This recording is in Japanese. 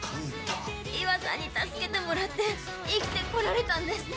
伊和さんに助けてもらって生きてこられたんです！